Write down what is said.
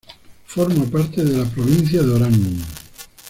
Forma parte de la provincia de Orán.